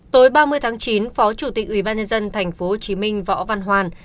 tối ba mươi tháng chín phó chủ tịch ủy ban nhân dân thành phố hồ chí minh võ văn hoàn